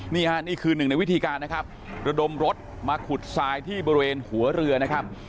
นี่ค่ะนี่คือหนึ่งในวิธีการนะครับระดมรถมาขุดทรายที่บริเวณหัวเรือนะครับ